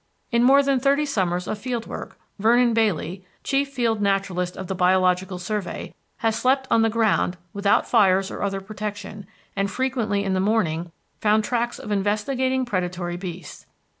In more than thirty summers of field work Vernon Bailey, Chief Field Naturalist of the Biological Survey, has slept on the ground without fires or other protection, and frequently in the morning found tracks of investigating predatory beasts.